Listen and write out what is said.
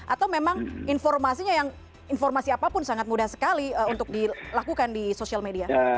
atau memang informasinya yang informasi apapun sangat mudah sekali untuk dilakukan di social media